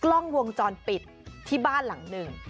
กล้องวงจรปิดที่บ้านหลังหนึ่ง